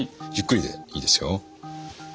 ゆっくりでいいですよ。